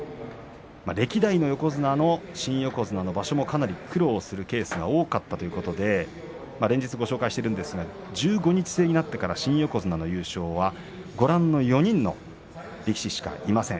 歴代の横綱の新横綱の場所もかなり苦労をするケースが多かったということで連日ご紹介していますが１５日制になってから新横綱の優勝はご覧の４人の力士しかいません。